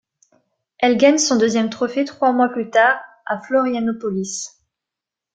Elle gagne son deuxième trophée trois mois plus tard à Florianópolis.